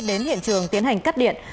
đến hiện trường tiến hành cắt điện